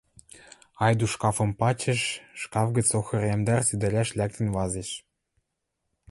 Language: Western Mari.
Айдуш шкафым пачеш, шкаф гӹц охыр ямдар седӹрӓш лӓктӹн вазеш.